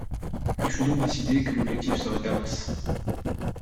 Il fut donc décidé que l'objectif serait Damas.